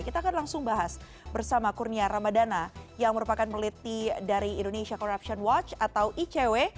kita akan langsung bahas bersama kurnia ramadana yang merupakan peneliti dari indonesia corruption watch atau icw